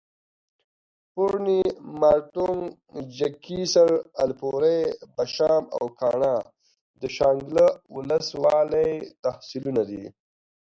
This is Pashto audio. پورڼ، مارتونګ، چکېسر، الپورۍ، بشام او کاڼا د شانګله اولس والۍ تحصیلونه دي